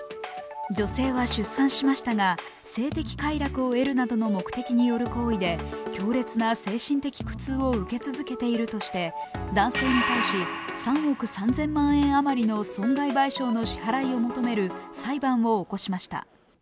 女性は出産しましたが性的快楽を得るなどの目的による行為で強烈な精神的苦痛を受け続けているとして男性に対し３億３０００万円あまりの損害賠償の支払いを求める裁判を起こしました。